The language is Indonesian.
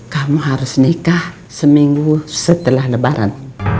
kamu harus nikah seminggu setelah lebaran